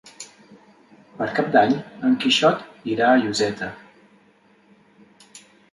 Per Cap d'Any en Quixot irà a Lloseta.